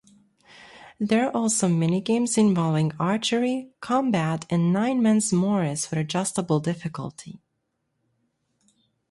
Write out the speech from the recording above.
There are also minigames involving archery, combat and Nine Men's Morris with adjustable difficulty.